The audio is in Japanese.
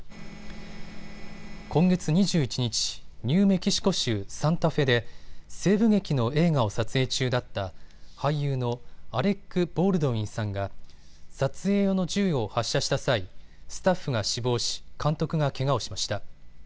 今月２１日、ニューメキシコ州サンタフェで西部劇の映画を撮影中だった俳優のアレック・ボールドウィンさんが撮影用の銃を発射した際、スタッフが死亡し、監督がけがをしました。